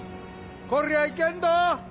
こりゃいけんど！